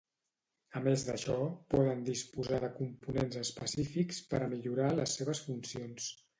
A més d’això, poden disposar de components específics per a millorar les seves funcions.